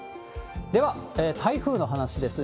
では、台風の話です。